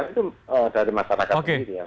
itu dari masyarakat sendiri